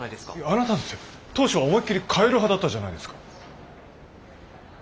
あなただって当初は思いっきり変える派だったじゃないですか。